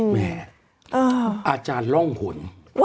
แม่อาจารย์ล่องผล